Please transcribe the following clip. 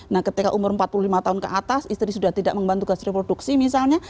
nah ketika umur empat puluh lima tahun ke atas istri sudah tidak mengembang tugas reproduksi misalnya